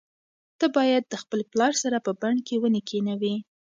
ته باید د خپل پلار سره په بڼ کې ونې کښېنوې.